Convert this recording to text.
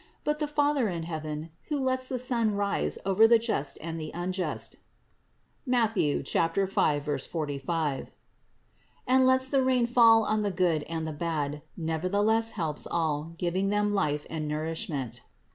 But the Father in heaven, who lets the sun rise over the just and the unjust (Matth. 5, 45), and lets the rain fall on the good and the bad, nevertheless helps all, giving them life and nourishment.